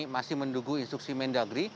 masih mendugu instruksi mendagri